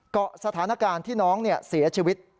เกาะสถานการณ์ที่น้องเสียชีวิต